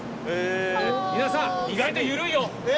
皆さん意外と緩いよ！